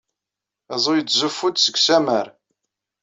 Aḍu yettzuffu-d seg usammar.